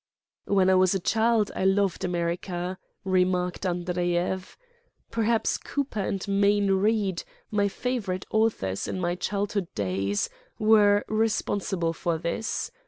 "When I was a child I loved America," re marked Andreyev. "Perhaps Cooper and Mayne Eeid, my favorite authors in my childhood days, were responsible for this.